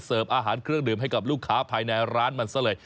อาหารเครื่องดื่มให้กับลูกค้าภายในร้านมันซะเลย